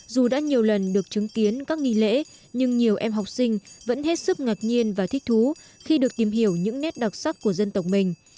dù đã nhiều lần được chứng kiến các nghỉ lễ nhưng nhiều em học sinh vẫn hết sức ngạc nhiên và thích thú khi được tìm hiểu những nét đặc sắc của dân tộc mình